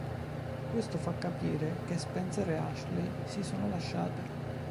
Questo fa capire che Spencer ed Ashley si sono lasciate.